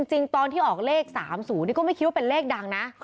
จริงตอนที่ออกเลข๓๐นี่ก็ไม่คิดว่าเป็นเลขดังนะ